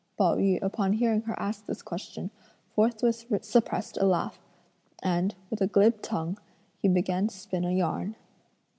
Pao yü upon hearing her ask this question, forthwith suppressed a laugh, and, with a glib tongue, he began to spin a yarn.